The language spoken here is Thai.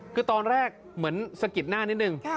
คือตอนแรกเหมือนสะกิดหน้านิดนึง